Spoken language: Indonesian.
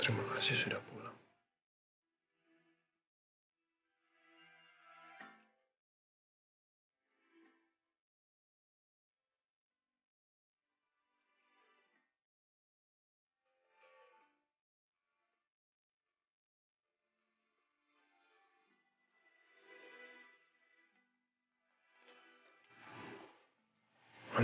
terima kasih sudah pulang